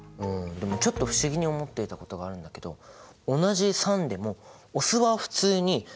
でもちょっと不思議に思っていたことがあるんだけど同じ酸でもお酢は普通に食べ物に使ってるでしょ。